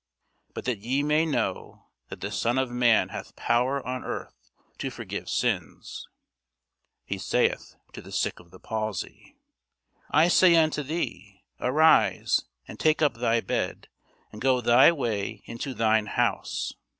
But that ye may know that the Son of man hath power on earth to forgive sins, (he saith to the sick of the palsy,) I say unto thee, Arise, and take up thy bed, and go thy way into thine house.